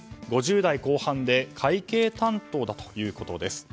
５０代後半で会計担当だということです。